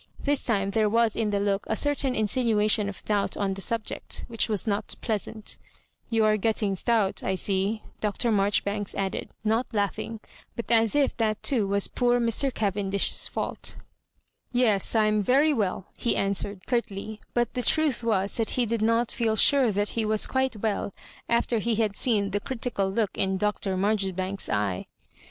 This time there was in the look a certain insinuation of doubt on the subject, which was UQt pleasant " Tou are getting stout, I see," Dr. Marjoribanks added — not laugh ing, but as if that too was poor Mr. Cavendish's fault " Yes, I'm very well," he answered, curtly ; but the truth was that he did not feel sure that he was quite well after he had seen the critical look in Dr. Marjoribanks's eye.